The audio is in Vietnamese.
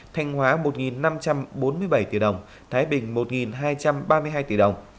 thanh hóa một năm trăm bốn mươi bảy tỷ đồng thái bình một hai trăm ba mươi hai tỷ đồng